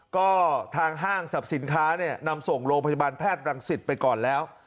ก็ทางห้างสรรพสินค้าเนี่ยนำส่งโรงพยาบาลแพทย์รังสิตไปก่อนแล้ว